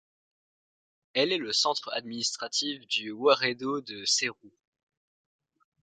Elle est le centre administratif du woreda de Seru.